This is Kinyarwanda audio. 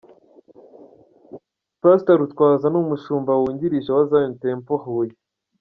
Pastor Rutwaza ni umushumba wungirije wa Zion Temple Huye.